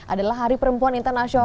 adalah hari perempuan internasional